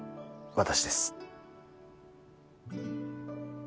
私です。